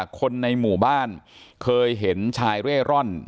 คนในหมู่บ้านเคยเห็นชายเร่ร่อน